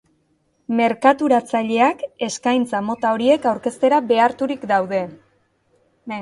Merkaturatzaileak eskaintza mota horiek aurkeztera beharturik daude.